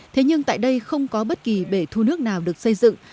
thế nhưng tại đây không có bất kỳ bể thu nước nào được xây dựng